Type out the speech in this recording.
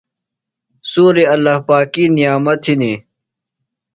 سُوری اللّٰہ پاکی نعمت ہِنیۡ۔